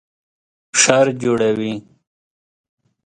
شر جوړوي